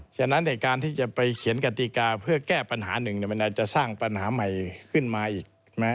ฉะนั้นในการที่จะไปเขียนกติกาเพื่อแก้ปัญหาหนึ่งมันอาจจะสร้างปัญหาใหม่ขึ้นมาอีก